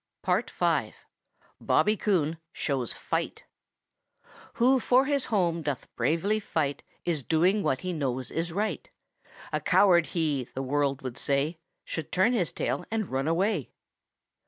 V. BOBBY COON SHOWS FIGHT Who for his home doth bravely fight Is doing what he knows is right. A coward he, the world would say, Should he turn tail and run away.